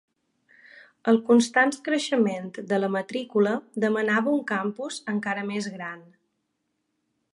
El constant creixement de la matrícula demanava un campus encara més gran.